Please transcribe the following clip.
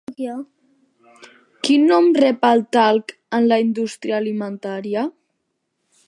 Quin nom rep el talc en la indústria alimentària?